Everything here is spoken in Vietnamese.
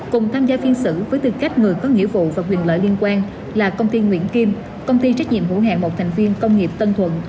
cùng tham gia phiên xử với tư cách người có nghĩa vụ và quyền lợi liên quan là công ty nguyễn kim công ty trách nhiệm hữu hạng một thành viên công nghiệp tân thuận